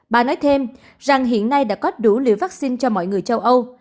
bà nói thêm rằng hiện nay đã có đủ liều vaccine cho mọi người châu âu